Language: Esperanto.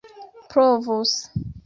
provus